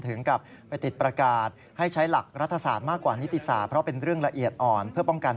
พูวาก็บอกว่าอยากให้ลองปรับความเข้าใจกันก่อนนะครับ